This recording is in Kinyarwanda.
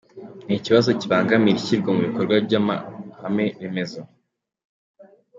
Ni ikibazo kibangamira ishyirwa mu bikorwa ry’amahame remezo.